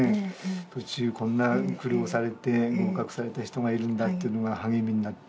途中こんな苦労をされて合格された人がいるんだというのが励みになって。